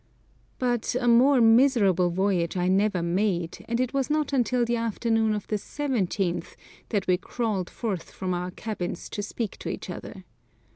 But a more miserable voyage I never made, and it was not until the afternoon of the 17th that we crawled forth from our cabins to speak to each other.